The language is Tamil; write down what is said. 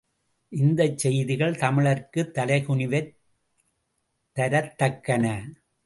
இந்தச் செய்திகள் தமிழர்க்குத் தலைகுனிவைத் தரத்தக்கன.